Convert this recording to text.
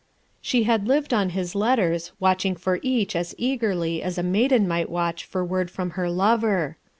She had lived on his letters, watching for each as eagerly as a maiden might watch for word from her lover.